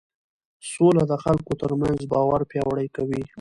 سوله د خلکو ترمنځ باور پیاوړی کوي